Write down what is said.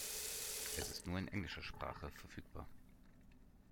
Es ist nur in englischer Sprache verfügbar.